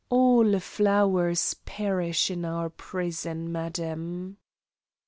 All flowers perish in our prison, madam."